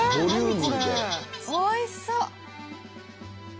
おいしそう！